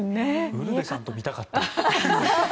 ウルヴェさんと見たかった。